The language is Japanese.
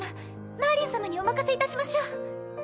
マーリン様にお任せいたしましょう。